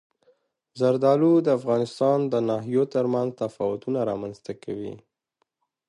زردالو د افغانستان د ناحیو ترمنځ تفاوتونه رامنځته کوي.